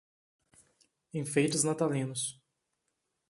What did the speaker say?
Enfeites natalinos